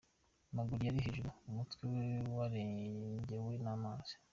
Amaguru yari ari hejuru, umutwe we warengewe n’amazi.